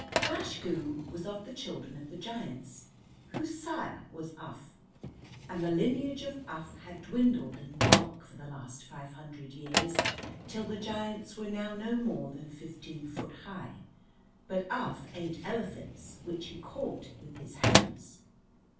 Plash Goo was of the children of the giants, whose sire was Uph. And the lineage of Uph had dwindled in bulk for the last five hundred years, till the giants were now no more than fifteen foot high; but Uph ate elephants which he caught with his hands.